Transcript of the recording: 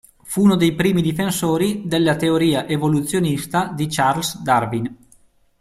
Fu uno dei primi difensori della teoria evoluzionista di Charles Darwin.